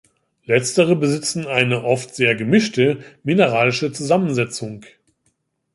Letztere besitzen eine oft sehr gemischte mineralische Zusammensetzung.